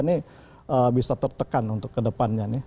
ini bisa tertekan untuk kedepannya nih